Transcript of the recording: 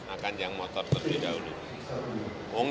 akan yang motor terdahuluk